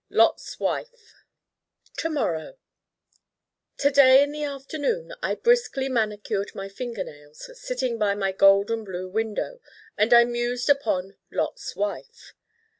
Lot's wife To morrow To day in the afternoon I briskly manicured my fingernails, sitting by my gold and blue window, and I mused upon Lot's Wife.